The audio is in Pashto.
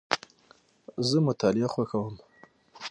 زه مطالعه خوښوم.